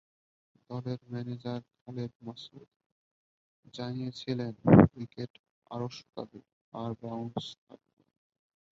দলের ম্যানেজার খালেদ মাহমুদ জানিয়েছিলেন, উইকেট আরও শুকাবে আর বাউন্স থাকবে।